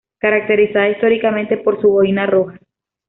Caracterizada históricamente por su boina roja.